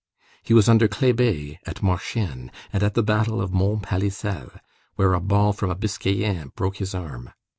He was under Kléber at Marchiennes and at the battle of Mont Palissel, where a ball from a biscaïen broke his arm.